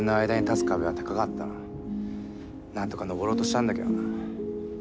なんとか登ろうとしたんだけどな。